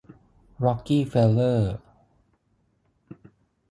ร็อกกี้เฟลเลอร์